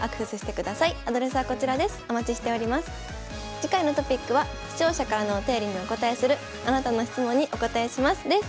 次回のトピックは視聴者からのお便りにお答えする「あなたの質問にお答えします」です。